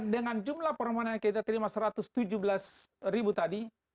dengan jumlah permohonan yang kita terima satu ratus tujuh belas ribu tadi